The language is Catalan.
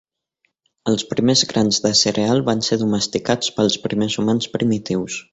Els primers grans de cereal van ser domesticats pels primers humans primitius.